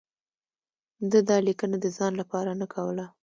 ده دا لیکنه د ځان لپاره نه کوله.